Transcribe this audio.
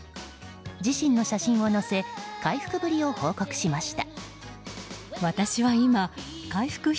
自身の写真を載せ回復ぶりを報告しました。